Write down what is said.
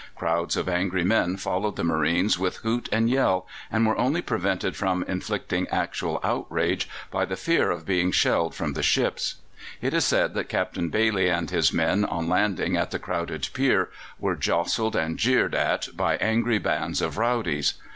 Crowds of angry men followed the marines with hoot and yell, and were only prevented from inflicting actual outrage by the fear of being shelled from the ships. It is said that Captain Bailey and his men on landing at the crowded pier were jostled and jeered at by angry bands of rowdies.